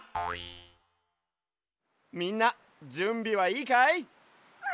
みんなじゅんびはいいかい？